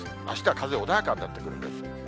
あしたは風、穏やかになってくるんです。